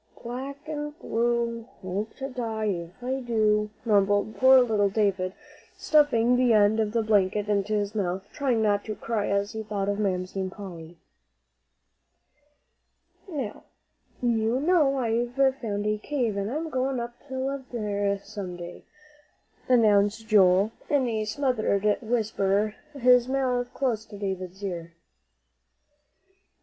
"'Black and blue hope to die if I do,'" mumbled poor little David, stuffing the end of the blanket into his mouth, trying not to cry as he thought of Mamsie and Polly. "Now, you know I've found a cave, and I'm goin' up there to live some day," announced Joel in a smothered whisper, his mouth close to David's ear.